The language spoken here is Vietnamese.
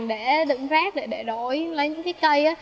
để đựng rác để đổi lấy những cái cây